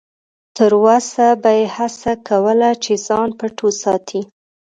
تر وسه به یې هڅه کوله چې ځان پټ وساتي.